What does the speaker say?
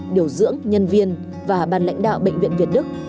điều dưỡng nhân viên và ban lãnh đạo bệnh viện việt đức